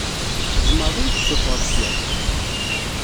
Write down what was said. Tzemreḍ ad yi-d-tessufɣeḍ ssya?